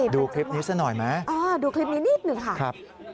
ดูคลิปนี้ซะหน่อยไหมดูคลิปนี้นิดหนึ่งค่ะครับ